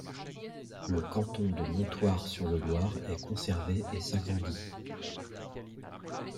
Le canton de Montoire-sur-le-Loir est conservé et s'agrandit.